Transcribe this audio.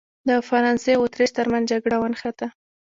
د فرانسې او اتریش ترمنځ جګړه ونښته.